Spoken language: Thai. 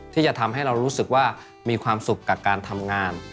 ที่จะทำให้เรารู้สึกว่ามีความสุขกับการทำงาน